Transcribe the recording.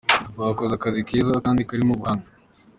Bakoze akazi keza kandi karimo ubuhanga.